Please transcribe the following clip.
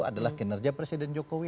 adalah kinerja presiden jokowi